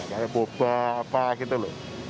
kayak boba apa gitu loh